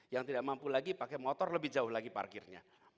yang tidak mampu lagi pakai motor lebih jauh lagi parkirnya